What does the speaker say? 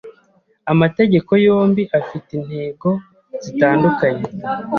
amategeko yombi afite intego zitandukanye